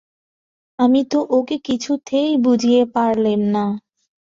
আমি তো ওঁকে কিছুতেই বুঝিয়ে পারলেম না।